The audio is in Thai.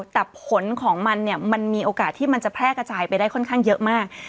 แต่ผลของมันเนี่ยมันมีโอกาสที่มันจะแพร่กระจายไปได้ค่อนข้างเยอะมาก